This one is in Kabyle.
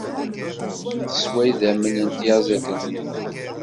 Teswa idammen n tyaẓiḍt-nni.